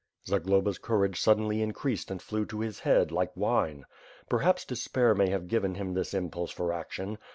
Zagloba's courage suddenly increased and flew to his head, like wine. Perhaps despair may have given him this impulse for action.